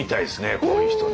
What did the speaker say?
こういう人ね。